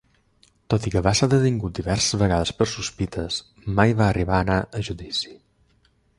Tot i que va ser detingut diverses vegades per sospites, mai va arribar a anar a judici.